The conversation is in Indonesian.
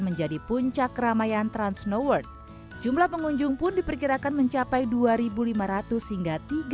menjadi puncak ramai antran snowboard jumlah pengunjung pun diperkirakan mencapai dua ribu lima ratus hingga